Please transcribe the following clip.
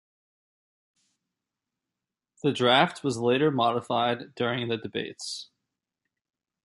The draft was later modified during the debates.